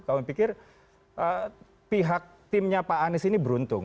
kami pikir pihak timnya pak anies ini beruntung